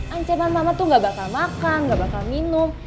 ancaman mama tuh gak bakal makan gak bakal minum